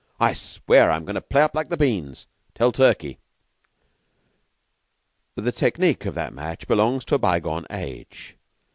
I swear, I'm goin' to play up like beans. Tell Turkey!" The technique of that match belongs to a bygone age.